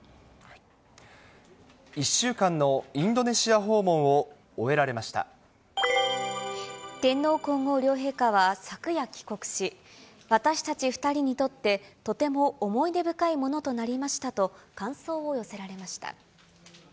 １週間のインドネシア訪問を天皇皇后両陛下は昨夜帰国し、私たち２人にとってとても思い出深いものとなりましたと、感想を寄せられました。